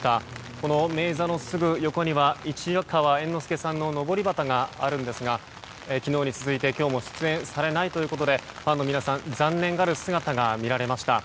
この明治座のすぐ横には市川猿之助さんののぼり旗があるんですが昨日に続いて今日も出演されないということでファンの皆さん残念がる姿が見られました。